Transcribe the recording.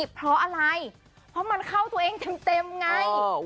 เพราะอะไรเพราะมันเข้าตัวเองเต็มไง